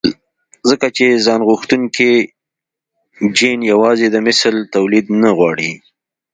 ځکه چې ځانغوښتونکی جېن يوازې د مثل توليد نه غواړي.